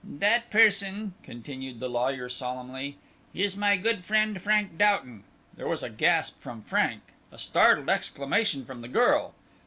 "'That person,'" continued the lawyer, solemnly, "'is my good friend, Frank Doughton.'" There was a gasp from Frank; a startled exclamation from the girl.